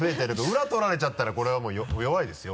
裏取られちゃったらこれはもう弱いですよ